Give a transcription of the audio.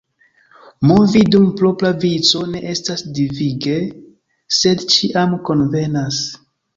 Movi dum propra vico ne estas devige, sed ĉiam konvenas.